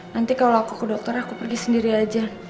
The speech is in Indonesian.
nanti kalau aku ke dokter aku pergi sendiri aja